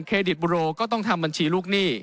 ดิตบุโรก็ต้องทำบัญชีลูกหนี้